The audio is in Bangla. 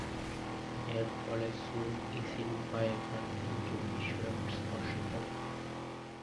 এরফলে সুর ইসিনবায়েভা’র ইনডোর বিশ্বরেকর্ড স্পর্শ করেন।